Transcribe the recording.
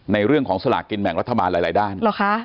ในเรื่องของสลากกินแหม่งรัฐบาลหลายด้าน